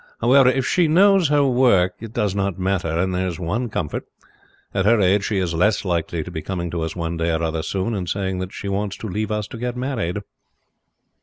However, if she knows her work it does not matter; and there's one comfort, at her age she is less likely to be coming to us one day or other soon and saying that she wants to leave us to get married."